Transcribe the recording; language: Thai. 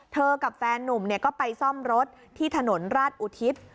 กับแฟนนุ่มก็ไปซ่อมรถที่ถนนราชอุทิศ